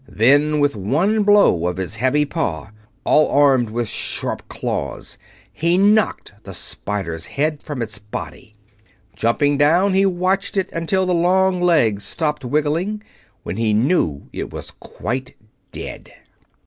Then, with one blow of his heavy paw, all armed with sharp claws, he knocked the spider's head from its body. Jumping down, he watched it until the long legs stopped wiggling, when he knew it was quite dead.